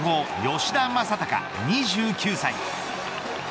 吉田正尚、２９歳。